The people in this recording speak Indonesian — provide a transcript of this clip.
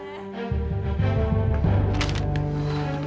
nenek bangun nenek